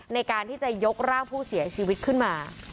ในการที่จะยกร่างผู้เสียชีวิตขึ้นมา